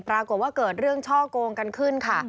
ปรากฏว่าเกิดเรื่องช่อกงกันขึ้นค่ะ